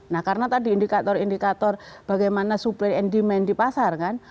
nah karena tadi indikator indikator bagaimana supply and demand di pasar kan